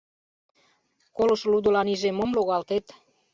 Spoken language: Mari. Колышо лудылан иже мом логалтет?!